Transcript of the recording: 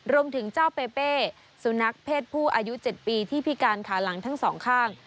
รวมถึงเจ้าเปเป้สุนัขเพศผู้อายุ๗ปีที่พิการขาหลังทั้งสองข้าง